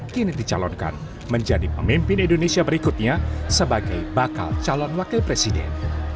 kini dicalonkan menjadi pemimpin indonesia berikutnya sebagai bakal calon wakil presiden